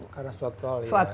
karena suatu hal ya